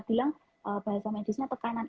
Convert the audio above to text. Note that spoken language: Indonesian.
bilang bahasa medisnya tekanan